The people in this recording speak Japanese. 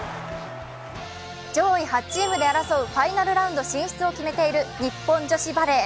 上位８チームで争うファイナルラウンド進出を決めている日本女子バレー。